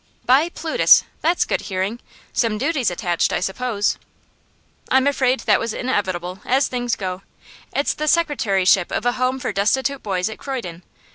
'By Plutus! That's good hearing. Some duties attached, I suppose?' 'I'm afraid that was inevitable, as things go. It's the secretaryship of a home for destitute boys at Croydon.